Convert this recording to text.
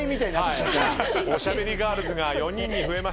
おしゃべりガールズが４人に増えました。